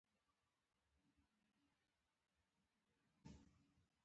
خان اباد سیند وریجې خړوبوي؟